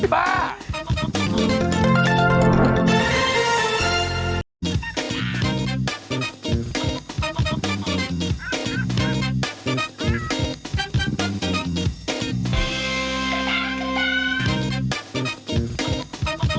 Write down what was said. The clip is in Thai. บ้า